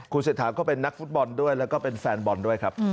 เศรษฐาก็เป็นนักฟุตบอลด้วยแล้วก็เป็นแฟนบอลด้วยครับ